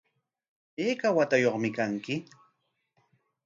¿Ayka watayuqmi kanki?